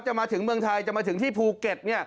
มาถึงเมืองไทยจะมาถึงที่ภูเก็ต